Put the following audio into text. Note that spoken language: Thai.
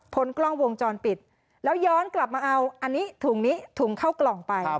กล้องวงจรปิดแล้วย้อนกลับมาเอาอันนี้ถุงนี้ถุงเข้ากล่องไป